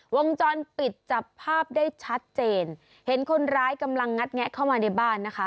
วงจรปิดจับภาพได้ชัดเจนเห็นคนร้ายกำลังงัดแงะเข้ามาในบ้านนะคะ